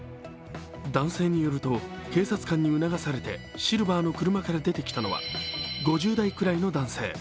男性によると、警察官に促されてシルバーの車から出てきたのは５０代くらいの男性。